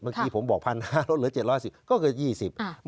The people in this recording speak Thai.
เมื่อกี้ผมบอกพันห้ารถเหลือเจ็ดร้อยห้าสิบก็คือยี่สิบอ่า